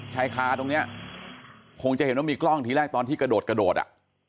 ชายคาตรงนี้คงจะเห็นว่ามีกล้องทีแรกตอนที่กระโดดกระโดดอ่ะ